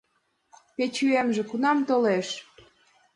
— Печуэмже кунам толеш?